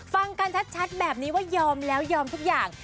ฟังกันชัดแบบนี้ว่ายอมแล้วยอมทุกอย่าง